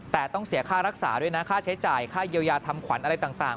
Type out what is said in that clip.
แต่ต้องเสียค่ารักษาด้วยนะค่าใช้จ่ายค่าเยียวยาทำขวัญอะไรต่าง